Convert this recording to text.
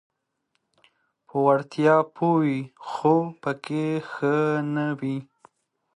په وړتیا پوه وي خو پکې ښه نه وي: